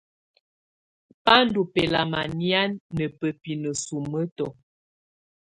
Bá ndɔ́ bɛ́lamá nɛ̀á ná bǝ́pinǝ sumǝ́tɔ̀.